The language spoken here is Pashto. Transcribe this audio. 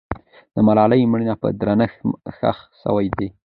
د ملالۍ مړی په درنښت ښخ سوی دی.